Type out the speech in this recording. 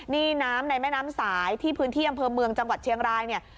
นี่น้ำในแม่น้ำสายที่พื้นที่อำเภอเมืองจังหวัดเชียงรายเนี่ย